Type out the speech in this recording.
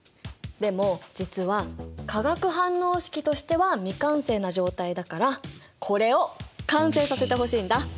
でも実は化学反応式としては未完成な状態だからこれを完成させてほしいんだ。